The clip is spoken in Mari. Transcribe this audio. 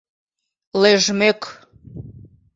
Лӧжмӧк...